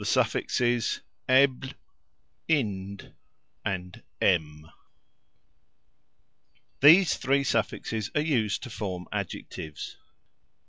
Suffixes ebl , ind , em . These three suffixes are used to form adjectives.